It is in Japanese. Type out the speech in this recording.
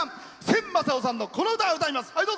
千昌夫さんのこの歌を歌います。